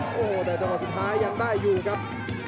โอ้โหแต่จังหวะสุดท้ายยังได้อยู่ครับ